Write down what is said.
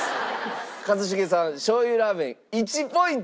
一茂さんしょう油ラーメン１ポイント。